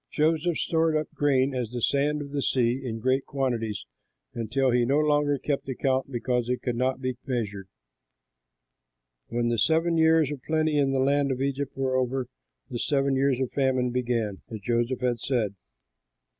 Joseph stored up grain as the sand of the sea, in great quantities, until he no longer kept account, because it could not be measured. When the seven years of plenty in the land of Egypt were over, the seven years of famine began, as Joseph had said.